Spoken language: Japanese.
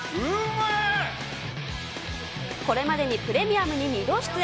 これまでにプレミアムに２度出演。